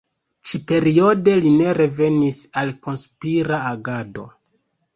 Ĉi-periode li ne revenis al konspira agado.